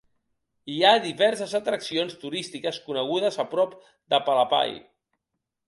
Hi ha diverses atraccions turístiques conegudes a prop de Palapye.